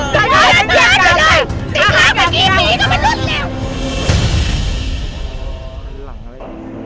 พร้อมรับให้มีการมาหานะคะมาหาแก้ดเลยมีก็มารุ่นแล้ว